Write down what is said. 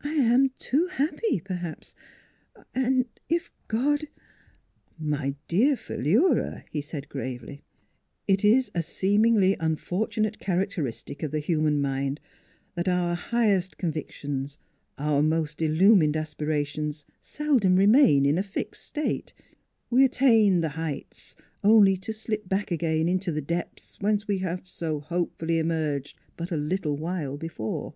I am too happy, perhaps. And if God " NEIGHBORS 151 " My dear Philura," he said gravely, " it is a seemingly unfortunate characteristic of the human mind that our highest convictions, our most il lumined aspirations seldom remain in a fixed state. We attain the heights, only to slip back again into the depths whence we have so hopefully emerged but a little while before.